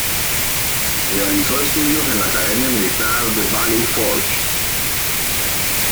Realizó estudios en la Academia Militar de Valley Forge.